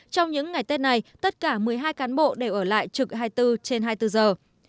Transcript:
trong những ngày tết này tất cả một mươi hai cán bộ đều ở lại trực hai mươi bốn trên hai mươi bốn giờ